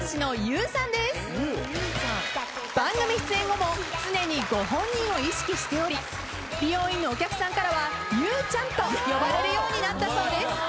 番組出演後も常にご本人を意識しており美容院のお客さんからはユウちゃんと呼ばれるようになったそうです。